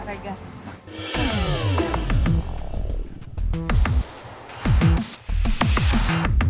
iya ya pak rega